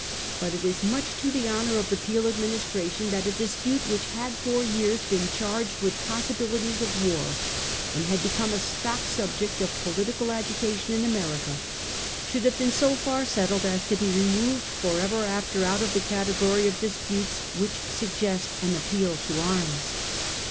But it is much to the honour of the Peel Administration that a dispute which had for years been charged with possibilities of war, and had become a stock subject of political agitation in America, should have been so far settled as to be removed for ever after out of the category of disputes which suggest an appeal to arms.